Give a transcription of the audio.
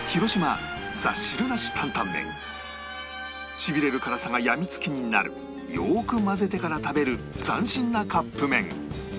しびれる辛さが病みつきになるよーく混ぜてから食べる斬新なカップ麺